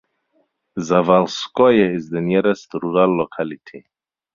Zavalskoye is the nearest rural locality.